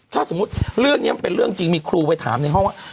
ถ้าสมมุติเรื่องนี้มันเป็นเรื่องจริงมีครูไปถามในห้องว่า